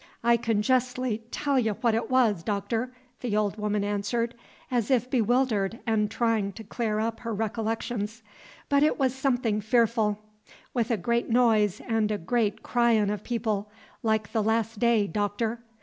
"I ca'n' jestly tell y' what it was, Doctor," the old woman answered, as if bewildered and trying to clear up her recollections; "but it was somethin' fearful, with a great noise 'n' a great cryin' o' people, like the Las' Day, Doctor!